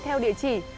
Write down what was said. theo địa chỉ